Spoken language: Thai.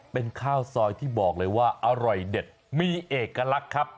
เป็นข้าวซอยที่บอกเลยว่าอร่อยเด็ดมีเอกลักษณ์ครับ